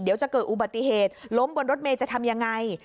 เดี๋ยวจะเกิดอุบัติเหตุล้มบนรถเมย์จะทำยังไง